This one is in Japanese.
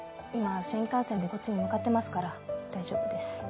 今新幹線でこっちに向かってますから大丈夫です